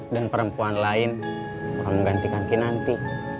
dan perempuan lain akan menggantikan kinanti